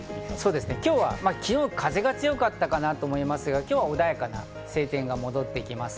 昨日、風が強かったかなと思いますが、今日は穏やかな晴天が戻ってきます。